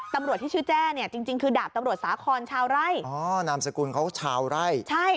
ตำรวจที่ชื่อแจ้เนี่ยจริงจริงคือดาบตำรวจสาคอนชาวไร่อ๋อนามสกุลเขาชาวไร่ใช่